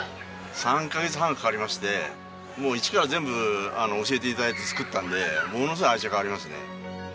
３カ月半かかりましてもう一から全部教えて頂いて作ったのでものすごい愛着ありますね。